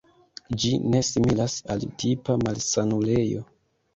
Ĝi ne similas al tipa malsanulejo.